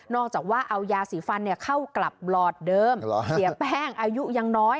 จากว่าเอายาสีฟันเข้ากลับหลอดเดิมเสียแป้งอายุยังน้อย